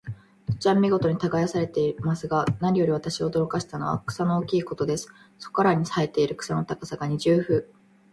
土地は見事に耕されていますが、何より私を驚かしたのは、草の大きいことです。そこらに生えている草の高さが、二十フィート以上ありました。